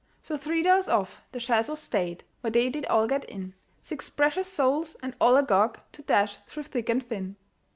So three doors off the chaise was stayed, Where they did all get in; Six precious souls, and all agog To dash through thick and thin.